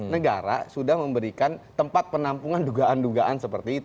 negara sudah memberikan tempat penampungan dugaan dugaan seperti itu